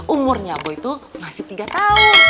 umurnya bu itu masih tiga tahun